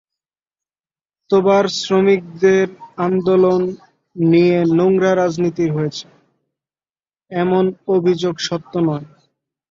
তোবার শ্রমিকদের আন্দোলন নিয়ে নোংরা রাজনীতির হয়েছে, এমন অভিযোগ সত্য না।